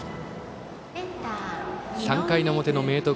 ３回の表の明徳